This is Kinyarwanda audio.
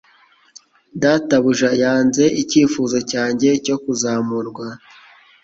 Databuja yanze icyifuzo cyanjye cyo kuzamurwa.